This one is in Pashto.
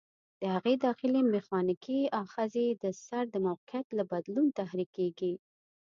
د هغې داخلي میخانیکي آخذې د سر د موقعیت له بدلون تحریکېږي.